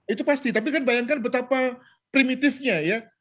itu pasti tapi kan bayangkan betapa primitifnya ya